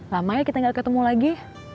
lamanya kita gak ketemu lagi